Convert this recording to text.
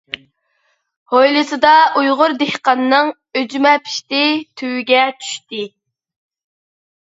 ھويلىسىدا ئۇيغۇر دېھقاننىڭ ئۈجمە پىشتى، تۈۋىگە چۈشتى.